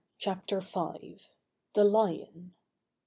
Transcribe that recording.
CHAPTER V. THE LION.